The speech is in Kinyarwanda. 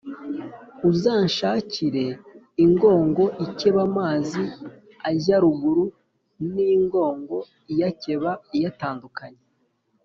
Uzanshakire ingongo ikeba amazi ajya ruguru n'ingongo iyakeba iyatandukanya.